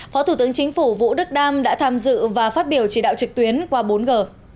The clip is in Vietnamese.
phó thủ tướng chính phủ vũ đức đam đã tham dự và phát biểu chỉ đạo trực tuyến qua bốn g